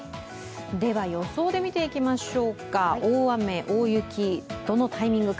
予想で見ていきましょう、大雨、大雪どのタイミングか。